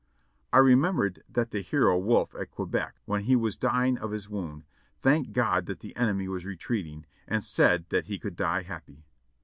I remembered that the hero Wolfe at Quebec, when he was dying of his wound, thanked God that the enemy was retreating, and said that he could die happy.